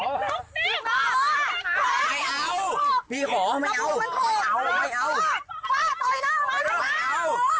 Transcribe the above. ไอ้กริ๊กพ่อคุณพ่อกริ๊ก